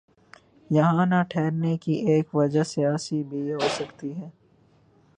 یہاں نہ ٹھہرنے کی ایک وجہ سیاسی بھی ہو سکتی ہے۔